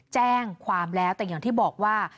แจ้งความแล้วแต่อย่างที่บอกว่า